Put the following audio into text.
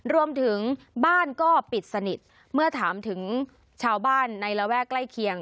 รวมถึงบ้านก็ปิดสนิทเมื่อถามถึงชาวบ้านในระแวกใกล้เคียง